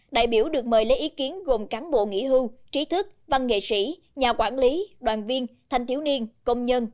đại biểu được mời lấy ý kiến gồm cán bộ nghỉ hưu trí thức văn nghệ sĩ nhà quản lý đoàn viên thanh thiếu niên công nhân